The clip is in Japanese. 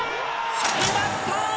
決まった！